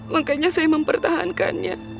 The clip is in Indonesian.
makanya saya mempertahankannya